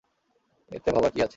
এতে ভাবার কী আছে?